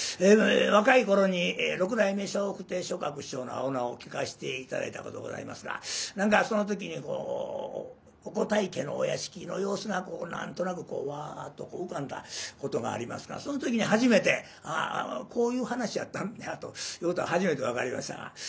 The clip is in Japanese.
若い頃に六代目笑福亭松鶴師匠の「青菜」を聴かせて頂いたことございますが何かその時にご大家のお屋敷の様子が何となくワッと浮かんだことがありますがその時に初めてこういう噺やったんやということが初めて分かりました。